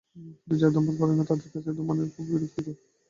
কিন্তু যঁারা ধূমপান করেন না, তাঁদের কাছে ধূমপানের ধোঁয়া খুব বিরক্তিকর।